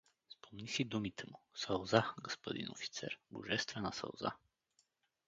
Спомни си думите му: „Сълза, гаспадин офицер, божествена сълза!“